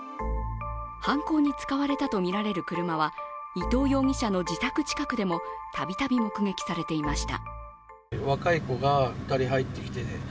犯行に使われたとみられる車は伊藤容疑者の自宅近くでも度々目撃されていました。